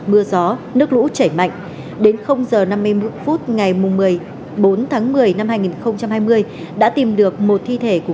mưa gió nước lũ chảy mạnh đến h năm mươi phút ngày một mươi bốn tháng một mươi năm hai nghìn hai mươi đã tìm được một thi thể của